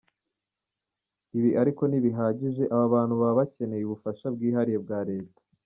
Ibi ariko ntibihagije, aba bantu baba bakeneye ubufasha bwihariye bwa Leta.